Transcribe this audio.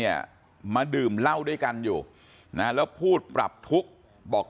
เนี่ยมาดื่มเหล้าด้วยกันอยู่นะแล้วพูดปรับทุกข์บอก